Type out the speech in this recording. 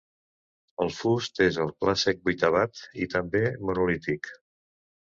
El fust és el clàssic vuitavat i també monolític.